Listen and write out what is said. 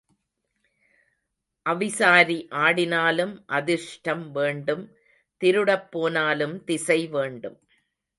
அவிசாரி ஆடினாலும் அதிர்ஷ்டம் வேண்டும் திருடப் போனாலும் திசை வேண்டும்.